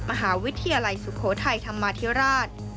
มหาวิทยาลัยสุโขทัยธรรมาธิราช